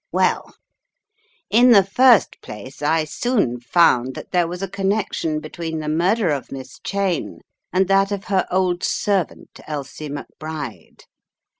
"Well, in the first place, I soon found that there was a connection between the murder of Miss Cheyne and that of her old servant Elsie McBride.